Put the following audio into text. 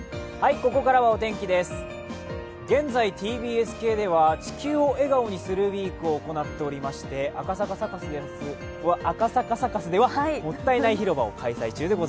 現在ＴＢＳ系では「地球を笑顔にするＷＥＥＫ」を行っていまして赤坂サカスでは、もったいない広場を開催中です。